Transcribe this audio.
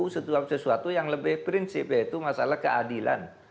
sesuatu yang lebih prinsip yaitu masalah keadilan